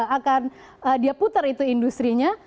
akan dia putar itu industri nya